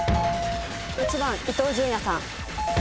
８番伊東純也さん。